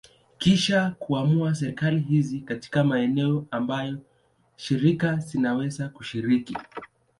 Kisha kuamua serikali hizi katika maeneo ambayo shirika zinaweza kushiriki.